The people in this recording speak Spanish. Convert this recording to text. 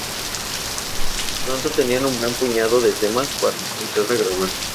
Pronto tenían un buen puñado de temas para entrar a grabar.